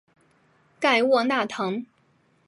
盖沃纳滕。